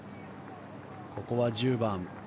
ここは１０番。